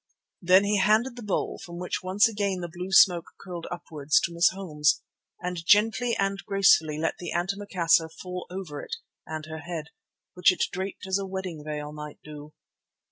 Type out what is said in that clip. Then he handed the bowl, from which once again the blue smoke curled upwards, to Miss Holmes, and gently and gracefully let the antimacassar fall over it and her head, which it draped as a wedding veil might do.